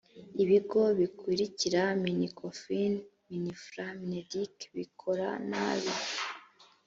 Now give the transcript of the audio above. ibigo bikurikira minecofin mininfra mineduc bikora nabi